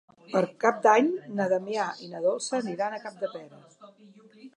Per Cap d'Any na Damià i na Dolça aniran a Capdepera.